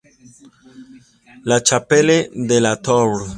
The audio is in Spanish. La Chapelle-de-la-Tour